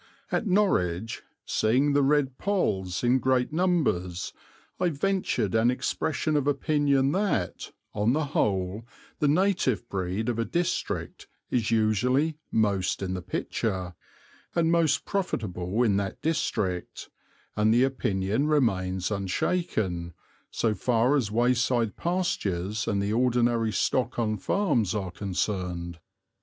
At Norwich, seeing the Red Polls in great numbers, I ventured an expression of opinion that, on the whole, the native breed of a district is usually "most in the picture" and most profitable in that district, and the opinion remains unshaken, so far as wayside pastures and the ordinary stock on farms are concerned.